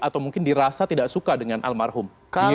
atau mungkin dirasa tidak suka dengan almarhum